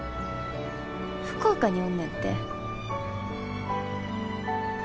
福岡におんねんて。